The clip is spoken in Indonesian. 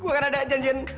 gua kan ada janjian